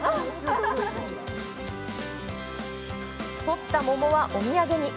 取った桃はお土産に。